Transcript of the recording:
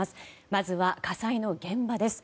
まずは火災の現場です。